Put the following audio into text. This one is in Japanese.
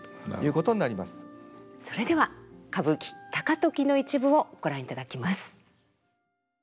それでは歌舞伎「高時」の一部をご覧いただきます。